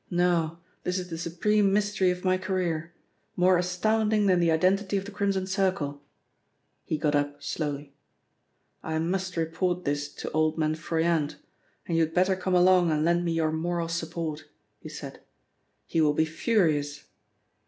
"No, this is the supreme mystery of my career; more astounding than the identity of the Crimson Circle," he got up slowly, "I must report this to old man Froyant, and you had better come along and lend me your moral support," he said. "He will be furious."